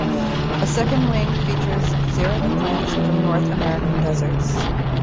A second wing features xeric plants from North American deserts.